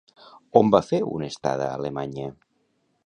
On va fer una estada a Alemanya?